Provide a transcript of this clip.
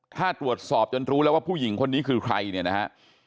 ถ้าตรวจสอบจนรู้แล้วว่าผู้หญิงคนนี้คือใครเนี่ยนะฮะ